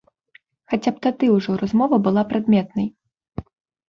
Хаця б тады ўжо размова была прадметнай.